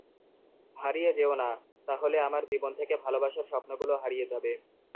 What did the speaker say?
হারিয়ে যেয়ো না, তাহলে আমার জীবন থেকে ভালোবাসার স্বপ্নগুলো হারিয়ে যাবে।